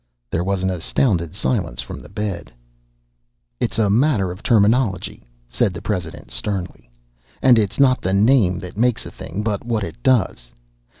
There was an astounded silence from the bed. "It's a matter of terminology," said the president sternly. "And it's not the name that makes a thing, but what it does!